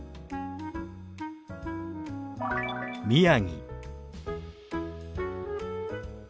「宮城」。